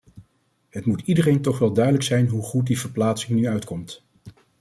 Het moet iedereen toch wel duidelijk zijn hoe goed die verplaatsing nu uitkomt.